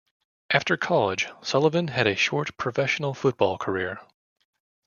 After college, Sullivan had a short professional football career.